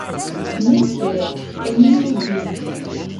Nepre eniru ĝin!